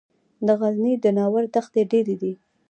د غزني د ناور دښتې ډیرې دي